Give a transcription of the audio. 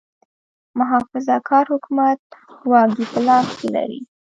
محافظه کار حکومت واګې په لاس کې لرلې.